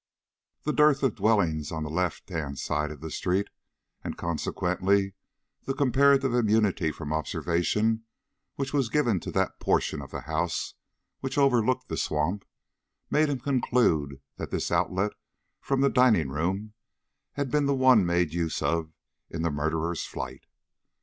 The dearth of dwellings on the left hand side of the street, and, consequently, the comparative immunity from observation which was given to that portion of the house which over looked the swamp, made him conclude that this outlet from the dining room had been the one made use of in the murderer's flight.